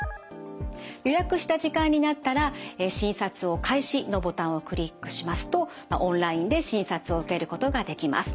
予約した時間になったら診察を開始のボタンをクリックしますとオンラインで診察を受けることができます。